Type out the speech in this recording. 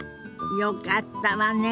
よかったわね。